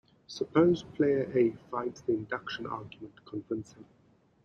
Suppose Player A finds the induction argument convincing.